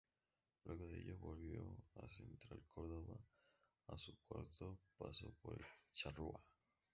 Luego de ello volvió a Central Córdoba a su cuarto paso por el "charrúa".